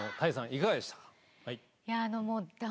いかがでしたか？